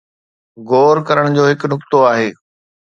غور ڪرڻ جو هڪ نقطو آهي.